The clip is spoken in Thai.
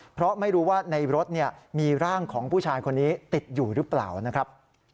เพราะไม่รู้ว่าในรถมีร่างของผู้ชายคนนี้ติดอยู่หรือเปล่านะครับ